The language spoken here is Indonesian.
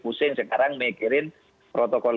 pusing sekarang mikirin protokol